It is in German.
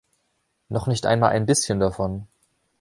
Noch nicht einmal ein bisschen davon.